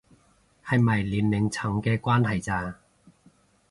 係咪年齡層嘅關係咋